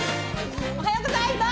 おはようございます。